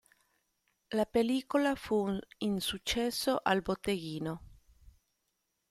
La pellicola fu un insuccesso al botteghino.